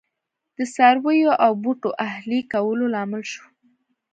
د څارویو او بوټو اهلي کولو لامل شو